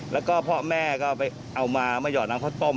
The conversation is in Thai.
แล้วก็พ่อแม่ก็ไปเอามาหยอดน้ำข้าวต้ม